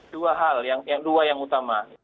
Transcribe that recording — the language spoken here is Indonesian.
dua hal yang dua yang utama